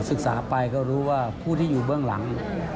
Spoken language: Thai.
ศึกษาไปก็รู้ว่าผู้ที่อยู่เบื้องหลัง